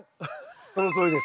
そのとおりです。